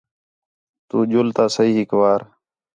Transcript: تُو ڄُل تا سہی ہِک وار